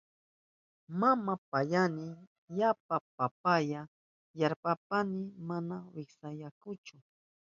Mama payayni yapa paya kashpanpas mana wiskuyarkachu.